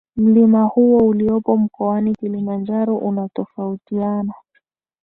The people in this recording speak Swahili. Mlima huo uliopo mkoani Kilimanjaro unatofautiana